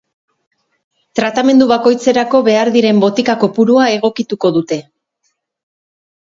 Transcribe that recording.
Tratamendu bakoitzerako behar diren botika kopurua egokituko dute.